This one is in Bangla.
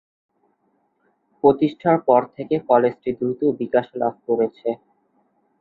প্রতিষ্ঠার পর থেকে কলেজটি দ্রুত বিকাশ লাভ করেছে।